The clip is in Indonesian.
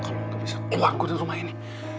kalau gak bisa keluar gue dari rumah ini